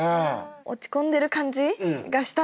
落ち込んでる感じがしたんですよ。